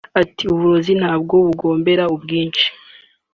Ati“Uburozi ntabwo bugombera ubwinshi